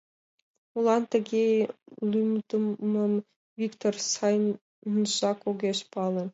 Молан тыге лӱмдымым Виктор сайынжак огеш пале.